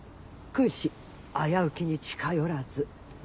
「君子危うきに近寄らず」よ。